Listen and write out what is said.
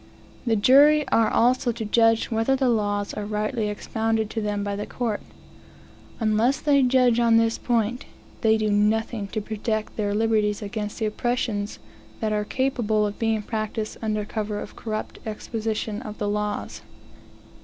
The jury are also to judge whether the laws are rightly expounded to them by the court. Unless they judge on this point, they do nothing to protect their liberties against the oppressions that are capable of being practiced under cover of a corrupt exposition of the laws.